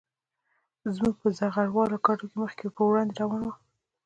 موږ په زغره والو ګاډو کې مخ په وړاندې روان وو